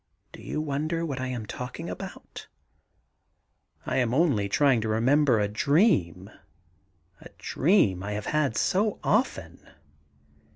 *Do you wonder what I am talking about ?... I am only trying to remember a dream — a dream I have had so often.'